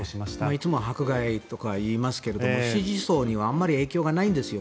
いつも迫害とか言いますけど支持層にはあまり影響がないんですよ